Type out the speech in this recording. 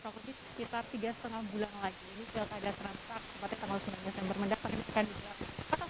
kita kutip sekitar tiga lima bulan lagi ini pil wali surabaya serangkak